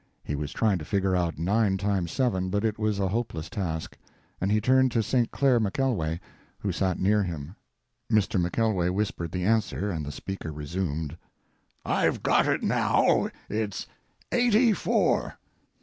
He was trying to figure out nine times seven, but it was a hopeless task, and he turned to St. Clair McKelway, who sat near him. Mr. McKelway whispered the answer, and the speaker resumed:] I've got it now. It's eighty four.